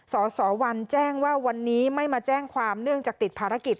สสวันแจ้งว่าวันนี้ไม่มาแจ้งความเนื่องจากติดภารกิจ